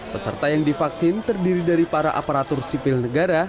peserta yang divaksin terdiri dari para aparatur sipil negara